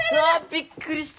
びっくりしたもう。